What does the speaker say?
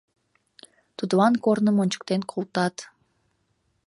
Тудлан корным ончыктен колтат.